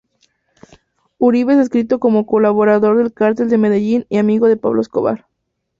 Uribe es descrito como colaborador del Cartel de Medellín y amigo de Pablo Escobar.